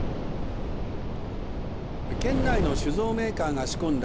県内の酒造メーカーが仕込んだ